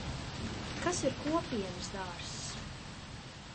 Kas ir kopienas dārzs?